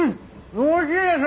おいしいです！